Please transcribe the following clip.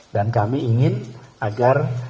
dan kami ingin agar